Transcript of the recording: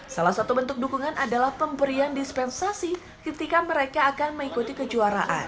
salah satu bentuk dukungan adalah pemberian dispensasi ketika mereka akan mengikuti kejuaraan